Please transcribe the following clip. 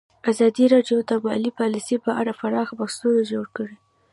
ازادي راډیو د مالي پالیسي په اړه پراخ بحثونه جوړ کړي.